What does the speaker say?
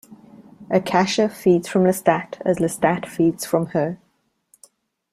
Akasha feeds from Lestat as Lestat feeds from her.